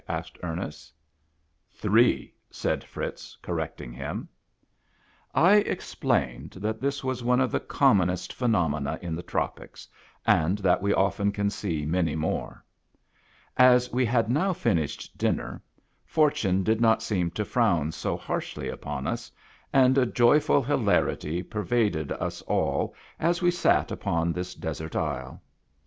asked Ernest. " Three," said Fritz correcting him. I explained that this was one of the commonest phenomena in the tropics, and that we often can see many more. As we had now finished dinner, fortune did not seem to frown so harshly upon us, and a joy ful hilarity pervaded us all as we sat upon this desert isle.